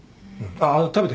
あっ食べて。